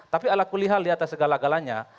tapi ala kulihal di atas segala galanya